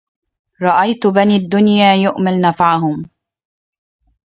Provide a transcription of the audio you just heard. رأيت بني الدنيا يؤمل نفعهم